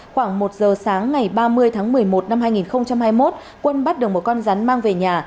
khoảng một giờ sáng ngày ba mươi tháng một mươi một năm hai nghìn hai mươi một quân bắt được một con rắn mang về nhà